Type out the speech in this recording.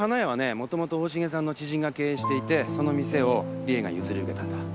もともと大重さんの知人が経営していてその店を理恵が譲り受けたんだ。